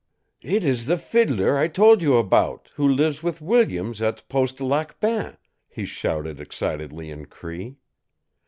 "It is the fiddler I told you about, who lives with Williams at Post Lac Bain!" he shouted excitedly in Cree.